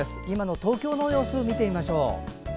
今の東京の様子を見てみましょう。